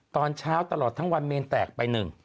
ตอนเช้าตลอดทั้งวันเมนแตกไปหนึ่ง